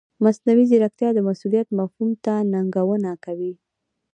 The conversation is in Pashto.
مصنوعي ځیرکتیا د مسؤلیت مفهوم ته ننګونه کوي.